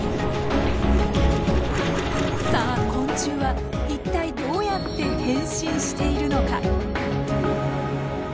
さあ昆虫は一体どうやって変身しているのか？